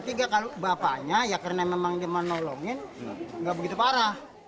tiga kalau bapaknya ya karena memang dia menolongin nggak begitu parah